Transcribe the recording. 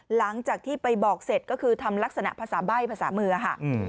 หลังจากที่ไปบอกเสร็จก็คือทำลักษณะภาษาใบ้ภาษามือค่ะ